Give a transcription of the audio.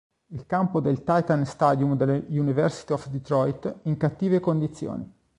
Il campo del Titan Stadium della University of Detroit in cattive condizioni.